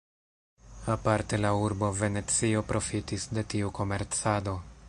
Aparte la urbo Venecio profitis de tiu komercado.